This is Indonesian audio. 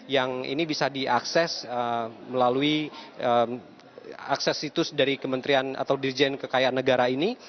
yang ini bisa diakses melalui akses situs dari kementerian atau dirjen kekayaan negara ini